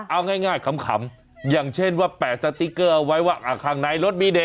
เอาง่ายขำอย่างเช่นว่าแปะสติ๊กเกอร์เอาไว้ว่าข้างในรถมีเด็ก